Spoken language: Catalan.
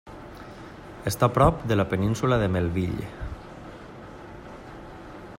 Està prop de la Península de Melville.